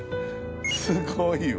すごいわ。